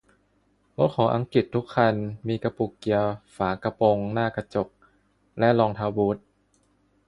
รถของอังกฤษทุกคันมีกระปุกเกียร์ฝากระโปรงหน้ากระจกและรองเท้าบูท